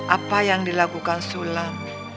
apa yang dilakukan sulam